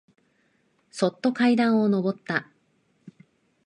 そっと階段をのぼった。